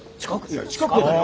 いや近くだよ！